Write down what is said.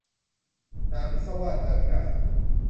หนามพิศวาส- นาวิกา